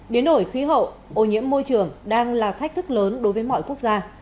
điến nổi khí hậu ô nhiễm môi trường đang là thách thức lớn đối với mọi quốc gia